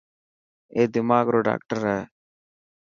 اي دماغ رو ڊاڪٽر هي.